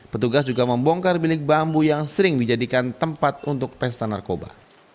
petugas juga membongkar bilik bambu yang sering dijadikan tempat untuk pesta narkoba